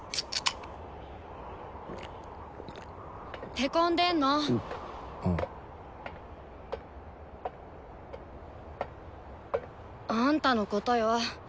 へこんでんの？あんたのことよ。